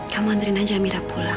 kamu anterin aja amira pulang